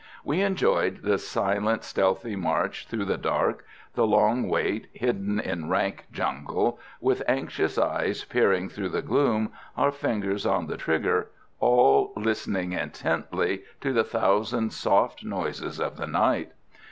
We enjoyed the silent, stealthy march through the dark, the long wait, hidden in rank jungle, with anxious eyes peering through the gloom, our fingers on the trigger, all listening intently to the thousand soft noises of the night.